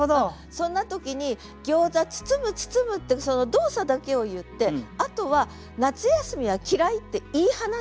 そんな時に「餃子包む包む」ってその動作だけを言ってあとは「夏休みは嫌ひ」って言い放つ。